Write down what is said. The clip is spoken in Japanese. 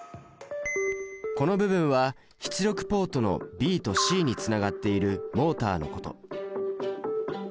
この部分は出力ポートのＢとＣにつながっているモータのこと。